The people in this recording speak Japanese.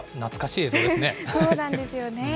そうなんですよね。